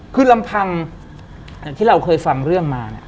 คือลำพังที่เราเคยฟังเรื่องมาเนี่ย